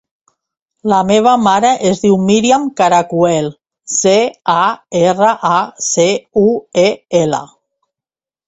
La meva mare es diu Míriam Caracuel: ce, a, erra, a, ce, u, e, ela.